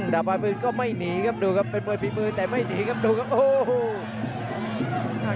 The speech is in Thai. ดาบวายปืนก็ไม่หนีครับดูครับเป็นมวยฝีมือแต่ไม่หนีครับดูครับโอ้โห